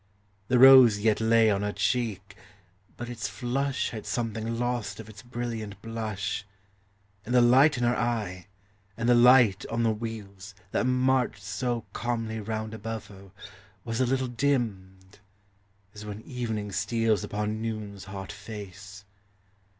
The rose vet lav on her cheek, but its flush Had something lost of its brilliant blush; And the light in her eye, and the light on the wheels, That marched so calmly round above her, Was a little dimmed, — as when evening steals Upon noon's hot face.